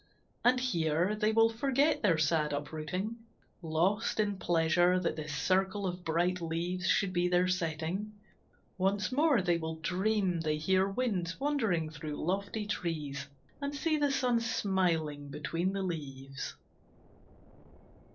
And here They will forget their sad uprooting, lost In pleasure that this circle of bright leaves Should be their setting; once more they will dream They hear winds wandering through lofty trees And see the sun smiling between the leaves.